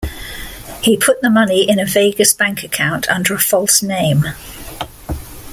He put the money in a Vegas bank account under a false name.